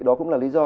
đó cũng là lý do